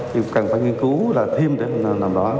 thì cần phải nghiên cứu là thêm để làm rõ